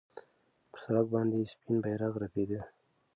پر سړک باندې سپین بیرغ رپېده.